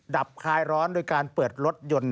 ับคลายร้อนโดยการเปิดรถยนต์